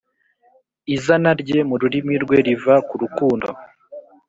Izana rye mu rurimi rwe riva ku rukundo